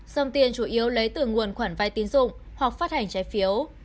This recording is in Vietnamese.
dòng tiền chủ yếu lấy từ nguồn khoản vai tín dụng hoặc phát hành trái phiếu